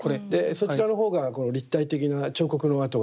そちらの方が立体的な彫刻の跡が分かる。